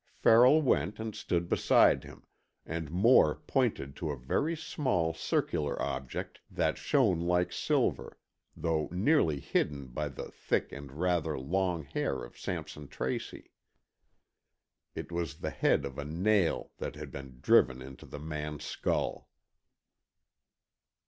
Farrell went and stood beside him, and Moore pointed to a very small circular object that shone like silver, though nearly hidden by the thick and rather long hair of Sampson Tracy. It was the head of a nail that had been driven into the man's skull.